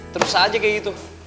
terus aja kayak gitu